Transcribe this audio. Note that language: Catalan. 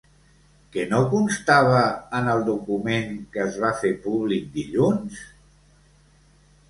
Què no constava en el document que es va fer públic dilluns?